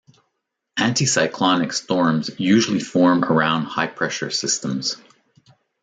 Anticyclonic storms usually form around high-pressure systems.